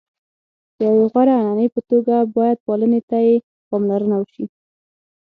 د یوې غوره عنعنې په توګه باید پالنې ته یې پاملرنه وشي.